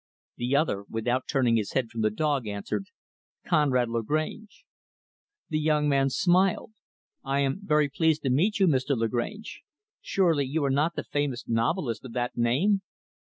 The other, without turning his eyes from the dog, answered, "Conrad Lagrange." The young man smiled. "I am very pleased to meet you, Mr. Lagrange. Surely, you are not the famous novelist of that name?"